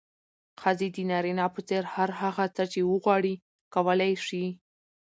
ښځې د نارينه په څېر هر هغه څه چې وغواړي، کولی يې شي.